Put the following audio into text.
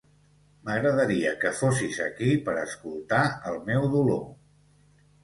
M'agradaria que fossis aquí per escoltar el meu dolor.